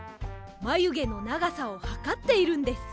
まゆげのながさをはかっているんです。